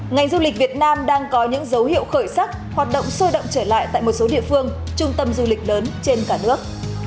ngành du lịch việt nam đang có những dấu hiệu khởi sắc hoạt động sôi động trở lại tại một số địa phương trung tâm du lịch lớn trên cả nước